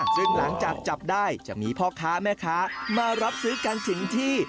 ซึ่งหลังจากจับได้จะมีพ่อค้าแม่ค้ามารับซื้อกันถึงที่